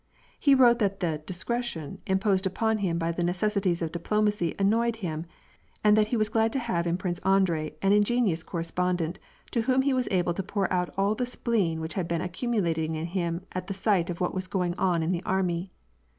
He wrote that the discretion imposed upon him by the necessities of diplomacy annoyed him, and that he was glad to have in Prince Andrei an ingenuous correspondent, to whom he was able to pour out all the spleen which had been accumulating in him at the sight of what was going on in the army.